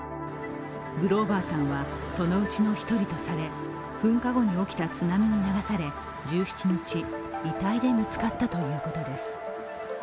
グローバーさんはそのうちの１人とされ、噴火後に起きた津波に流され１７日、遺体で見つかったということです。